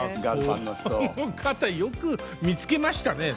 この方よく見つけましたね